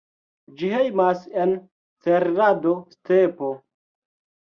Ĝi hejmas en Cerrado-stepo.